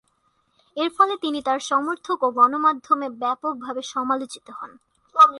এরফলে তিনি তার সমর্থক ও গণমাধ্যমে ব্যাপকভাবে সমালোচিত হন।